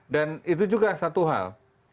dan itu juga satu hal